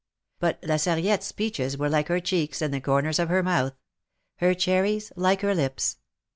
But La Sarriette's peaches were like her cheeks and the corners of her mouth; her cherries like her lips.